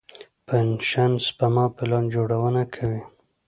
پنشن سپما پلان جوړونه کوي.